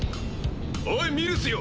おいミルスよ！